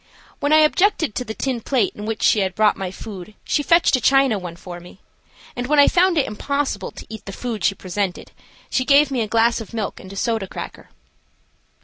When I objected to the tin plate in which she had brought my food she fetched a china one for me, and when I found it impossible to eat the food she presented she gave me a glass of milk and a soda cracker.